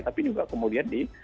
tapi juga kemudian di